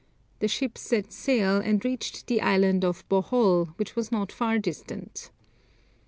The ships set sail and reached the Island of Bohol, which was not far distant.